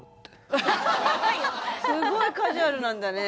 すごいカジュアルなんだね